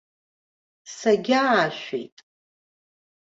Сагьаашәеит.